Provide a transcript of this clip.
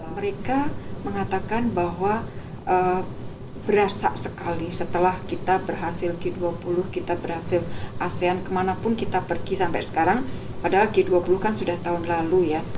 mereka mengatakan bahwa berasa sekali setelah kita berhasil g dua puluh kita berhasil asean kemanapun kita pergi sampai sekarang padahal g dua puluh kan sudah tahun lalu ya